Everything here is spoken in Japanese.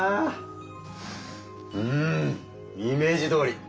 うんイメージどおり！